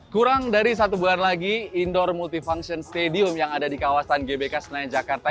kurang dari satu bulan lagi indoor multifunction stadium yang ada di kawasan gbk senayan jakarta